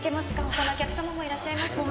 他のお客様もいらっしゃいますので。